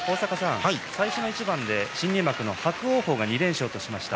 最初の一番で新入幕の伯桜鵬が２連勝としました。